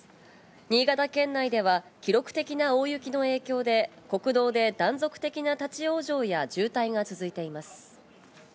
新潟県内では記録的な大雪の影響で、国道で断続的な立ち往生や渋滞が続いています。